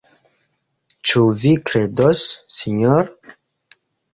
Ĉu vi kredos, sinjoro?